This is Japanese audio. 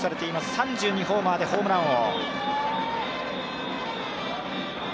３２ホーマーでホームラン王。